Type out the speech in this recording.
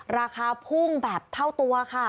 ราคาพุ่งแบบเท่าตัวค่ะ